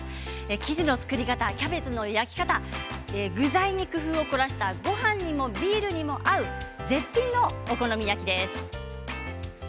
生地の作り方、キャベツの焼き方具材に工夫を凝らしたごはんにもビールにも合う絶品のお好み焼きです。